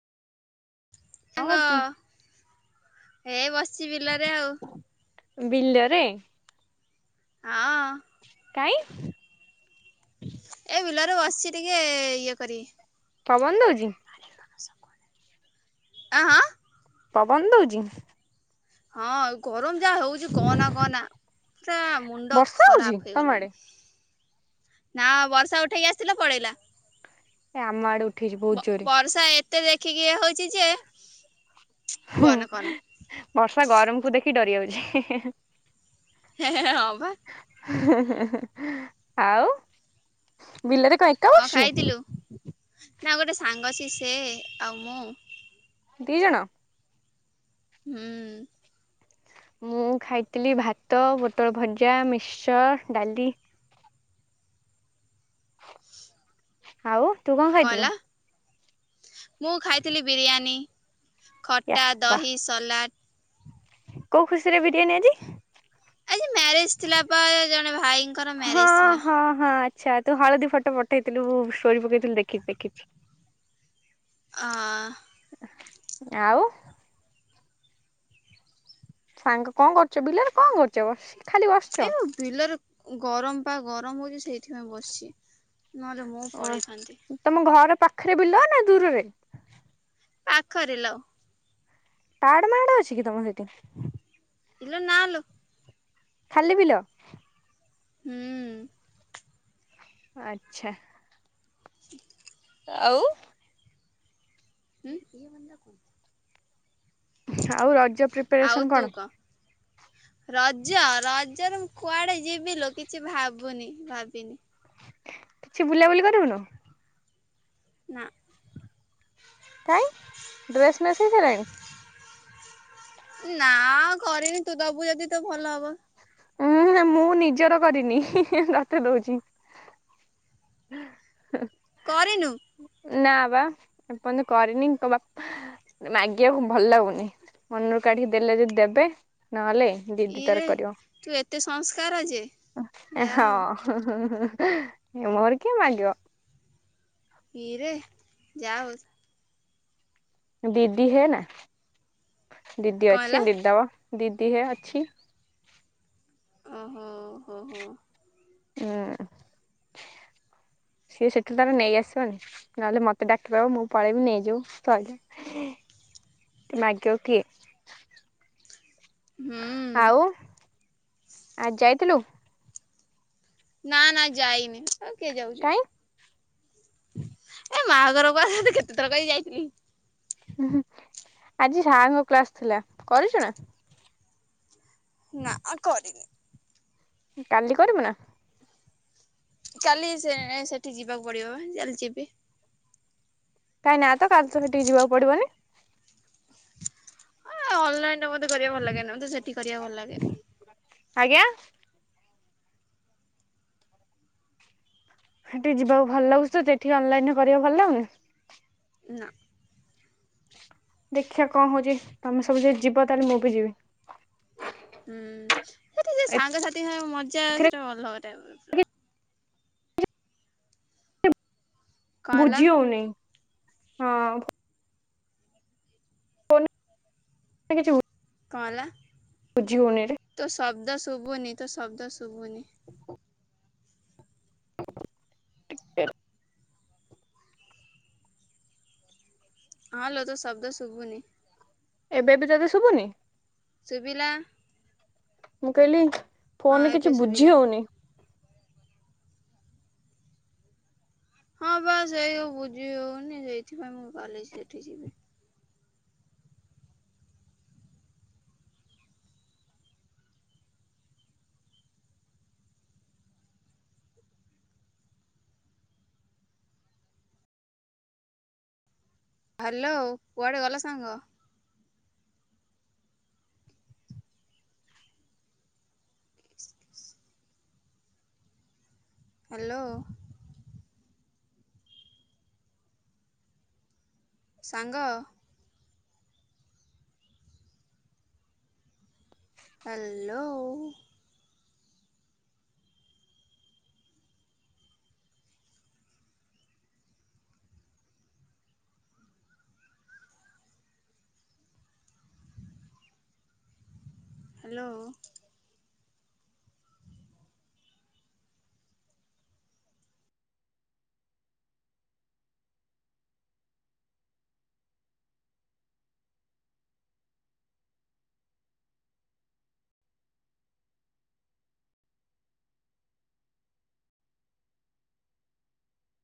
କଣ ସାଙ୍ଗ କରୁଛୁ ଏ ବସିଚି ବିଲରେ ଆଉ। ବିଲରେ? ହଁ। କାହିଁକି? ଏ ବିଲରେ ବସିଛି ଟିକେ ଇଏ କରି ପବନ ଦୋଉଚି? ଆଁ। ପବନ ଦୋଉଚି? ହଁ ଗରମ ଯାହା ହୋଉଚି କହନା କହନା। ପୁରା ମୁଣ୍ଡ ବର୍ଷା ହଉଛି ଖରାପ ତମ ଆଡେ ହେଇଗଲାଣି। ନା ବର୍ଷା ଉଠେଇକି ଆସିଥିଲା ପଳେଇଲା। ଏ ଆମ ଆଡେ ଉଠେଇଚି ବୋହୁତ ଜୋରରେ। ସ ଏତେ ଦେଖିକି ଇଏ ହୋଉଚି ଯେ ହଁ କୁହନା କୁହନା ବର୍ଷା ଗରମକୁ ଦେଖି ଡରି ଯାଉଚି। ହଁ ହଁ ବା। [inaudible] ଆଉ ବିଲରେ ଏକା କଣ ବସଛୁ ଖାଇଥିଲୁ? ନା ଗୋଟେ ସାଙ୍ଗ ଅଛି ସେ ଆଉ ମୁଁ ଦି ଜଣ? ହୁଁ। ମୁଁ ଖାଇଥିଲି ଭାତ ପୋଟଳ ଭଜା ମିଶ୍ଚର ଡାଲି। [inaudible] ଆଉ ତୁ କଣ ଖାଇଥିଲୁ? ମୁଁ ଖାଇଥିଲି ବିରିୟାନୀ ୟା ଖଟା ବା ଦହି ସଲାଡ଼। କୋଉ ଖୁସିରେ ବିରିୟାନୀ ଆଜି? ଆଜି ମ୍ୟାରେଜ ଥିଲା ପା ଜଣେ ଭାଇଙ୍କର ହଁ ମ୍ୟାରେଜ ଥିଲା। ହଁ ହଁ ଆ ଆଚ୍ଛା ତୁ ହଳଦୀ ଫଟୋ ପଠେଇଥିଲୁ ତୁ ଷ୍ଟୋରି ପକେଇଥିଲୁ ଦେଖିଛି, [unintelligible] ଅହ। ଆଉ। ସାଙ୍ଗ କଣ କରୁଚୁ ବିଲରେ କଣ କରୁଚୁ? ଏଇବା ବିଲରେ ଗରମ ପା ଗରମ ହୋଉଚି ସେଇଥିପାଇଁ ବସଚି। ନହେଲେ ମୁଁ ପଲେଇଥାନ୍ତି। ତମ ଘର ପାଖରେ ବିଲ ନା ଦୂରରେ? ପାଖରେ ଲୋ। ପାହାଡ ମାଆଡ ଅଛି କି ତମ ସେଇଠି? ଇଲୋ ନାଲୋ। ଖାଲି ବିଲ ହୁଁ। ଆଚ୍ଛା। [inaudible] ଆଉ ଉଁ [inaudible] ଆଉ ରଜ ପ୍ରି ଆଉ ତୁ କହ? ରଜ ରଜ ରୁ କୁଆଡ଼େ ଯିବି ଲୋ କିଛି ଭାବୁନି ଭାବିନି। କିଛି ବୁଲାବୁଲି କରିବୁନୁ। ନାଁ କାଇଁ ଡ୍ରେସ୍ ମେସ ହେଇସାରଲାଣି? ନା କରିନି ତୁ ଦବୁ ଯଦି ତୋ ଭଲ ହବ। ଉୁଁ ମୁଁ ନିଜର କରିନି ତତେ ଦୋଉଚି। [unintelligible] କରିନୁ? ନା ବା ଏପଯ୍ୟନ୍ତ କରିନି କବାକ ମାଗିବାକୁ ଭଲ ଲାଗୁନି ମନରୁ କାଢିକି ଦେଲେ ଯଦି ଦେବେ ନହେଲେ ଦିଦି ତାର ଇରେ କରିବ। ତୁ ଏତେ ସଂସ୍କାର ଯେ ଏ ଯା ହଁ। ହଉ ହେ ହେ ହେ ମୋର କିଏ ମାଗିବ। ଇରେ ଯାଆ ହୋଉଚି ଦିଦି ହେ ନା ଦିଦି କଣ ହେଲା ଅଛି ଦିଦି ଦବ ଦିଦି ହେ ଅଛି। ଅହ ଓହୋ ଏ ସିଏ ସେଠୁ ତାର ନେଇ ଆସିବନି ନନେଲେ ମତେ ଡାକିଦବ ମୁଁ ପଲେଇବିନି ଯୋଉ ସ୍ତଲ ଏ ମାଗିଅ କିଏ? ହୁଁ ଆଉ ଆଜି ଯାଇଥିଲୁ? ନା ନା ଯାଇନି ଆଉ କିଏ ଯାଉଚି। କାଇଁ ଏ ମାଆଘର ଵା ତତେ କେତେଥର କହିବି ଯାଇଥିଲି। ହେ ହେ ହୁ ଆଜି ସାରଙ୍କ କ୍ଲାସ ଥିଲା କରିଚୁନା? ନାଁ କରିନି। କାଲି କରିବୁ ନା? କାଲି ସେ ସେଠି ଯିବାକୁ ପଡିବ ଚାଲିଯିବି। କାଇଁ ନା ତ କାଲିତ ସେଠିକି ଯିବାକୁ ପଡିବନି। ଏ ଅନଲାଇନରେ ମତେ କରିବା ଭଲ ଲାଗେନା ମତେ ସେଠି କରିବାକୁ ଭଲ ଲାଗେ। ଆଜ୍ଞା। ହେଠିକି ଯିବାକୁ ଭଲ ଲାଗୁଚି ତତେ ଏଠି ଅନଲାଇନ କରିବାକୁ ଭଲ ଲାଗୁନି। ନାଁ ଦେଖିବା କଁ ହଉଚି ତମେ ସବୁ ଯଦି ଯିବ ତାହାଲେ ମୁଁ ବି ଯିବି। ହୁଁ ମତେ ସେଇ ସାଙ୍ଗସାଥି ହରେ ମଜା ଏଥିରେ ସେଟା ଅଲଗ ଟାଇପର। କଣ ହେଲା ବୁଝିହୋଉନି ହଁ। ଫୋନରେ କିଛି [inaudible] କଣ ହେଲା? ବୁଝି ହେଉନି ରେ। ତୋ ଶବ୍ଦ ଶୁଭୁନି ତୋ ଶବ୍ଦ ଶୁଭୁନି। [inaudible] ଟିକେ ରଅ। ହଁ ଲୋ ତୋ ଶବ୍ଦ ଶୁଭୁନି। ଏବେ ବି ତୋତେ ଶୁଭୁନି? ଶୁବିଲା। ମୁଁ କହିଲି ହଁ ଫୋନ୍ ରେ ଏବେ କିଛି ଶୁଭିଲା। ବୁଝି ହଉନି। ହଁ ବା ସେଇ ସବୁ ବୁଝି ହଉନି ସେଇଥିପାଇଁ ମୁଁ କାଲି ସେଠି ଯିବି। ହାଲୋ କୁଆଡେ ଗଲ ସାଙ୍ଗ? ହ୍ୟାଲୋ। ସାଙ୍ଗ ହ୍ୟାଲୋ। ହ୍ୟାଲୋ।